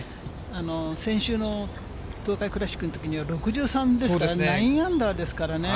先週の東海クラシックのときは６３ですからね、９アンダーですからね。